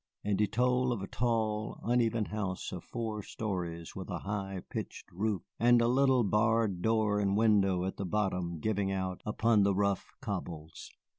And he told of a tall, uneven house of four stories, with a high pitched roof, and a little barred door and window at the bottom giving out upon the rough cobbles.